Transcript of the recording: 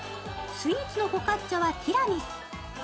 スイーツのフォカッチャはティラミス。